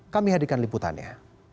kami hadirkan liputannya